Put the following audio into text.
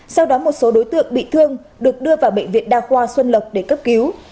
sau đó một số đối tượng bị thương được đưa vào bệnh viện đa khoa xuân lộc để cấp cứu